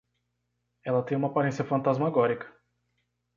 Ela tem uma aparência fantasmagórica